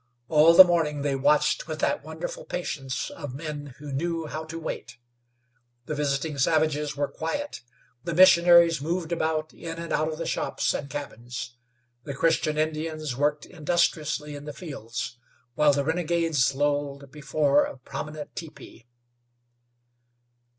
All the morning they watched with that wonderful patience of men who knew how to wait. The visiting savages were quiet, the missionaries moved about in and out of the shops and cabins; the Christian Indians worked industriously in the fields, while the renegades lolled before a prominent teepee.